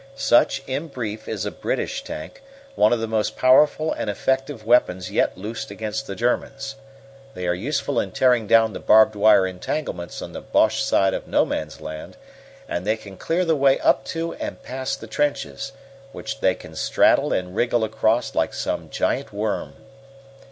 Such, in brief, is a British tank, one of the most powerful and effective weapons yet loosed against the Germans. They are useful in tearing down the barbed wire entanglements on the Boche side of No Man's Land, and they can clear the way up to and past the trenches, which they can straddle and wriggle across like some giant worm.